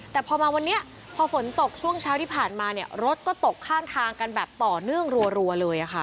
แต่พอมาวันนี้พอฝนตกช่วงเช้าที่ผ่านมาเนี่ยรถก็ตกข้างทางกันแบบต่อเนื่องรัวเลยค่ะ